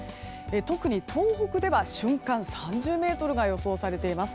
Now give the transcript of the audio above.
特に東北では瞬間３０メートルが予想されています。